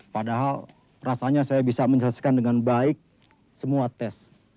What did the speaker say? padahal rasanya saya bisa menjelaskan dengan baik semua tes